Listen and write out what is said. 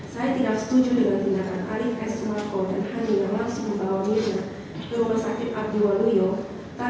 saya sangat yakin hati murahnya yang mulia yang benar benar biasa